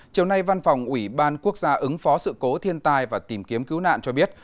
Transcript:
chiều nay văn phòng ủy ban quốc gia ứng phó sự cố thiên tai và tìm kiếm cứu nạn cho biết